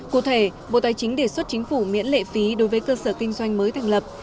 cụ thể bộ tài chính đề xuất chính phủ miễn lệ phí đối với cơ sở kinh doanh mới thành lập